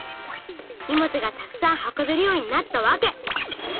「荷物がたくさん運べるようになったワケ」。